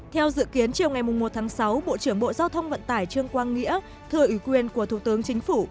theo dự kiến chiều ngày một tháng sáu bộ trưởng bộ giao thông vận tải trương quang nghĩa thưa ủy quyền của thủ tướng chính phủ